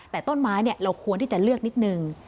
แต่ต้นไม้เราควรที่จะเลือกนิดนึง